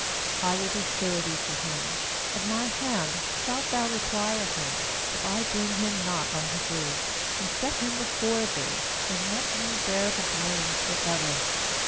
9I will be surety for him; of my hand shalt thou require him; if I bring him not unto thee, and set him before thee, then let me bear the blame for ever.